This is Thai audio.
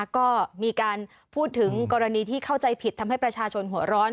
ก็มีการพูดถึงกรณีที่เข้าใจผิดทำให้ประชาชนหัวร้อน